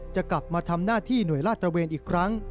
จะกลับมาทำหน้าที่หน่วยลาดตระเวนอีกครั้ง